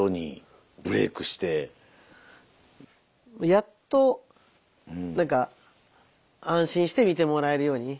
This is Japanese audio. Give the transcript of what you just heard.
やっと何か安心して見てもらえるように。